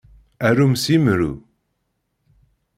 Arum s yimru.